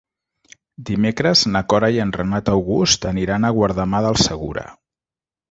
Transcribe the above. Dimecres na Cora i en Renat August aniran a Guardamar del Segura.